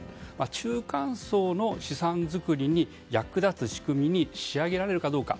中間層の資産作りに役立つ仕組みに仕上げられるかどうか。